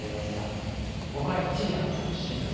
僕は１であってほしいなと。